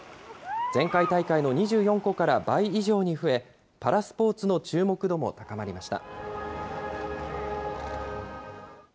前回大会の２４個から倍以上に増え、パラスポーツの注目度も高まりました。